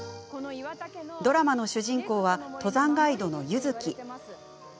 ドラマの主人公は登山ガイドの柚月。